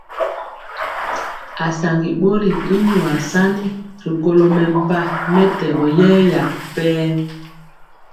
Asaŋgi bori y nyuasani ri kolo mempah mɛtɛgɔ yɛya per.